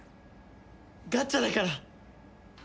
ガッチャだから！